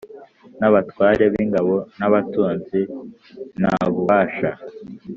n abatware b ingabo n abatunzi n ab ububasha